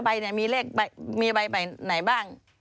๕ใบนี่มีเลขมีใบใหม่ไหนบ้าง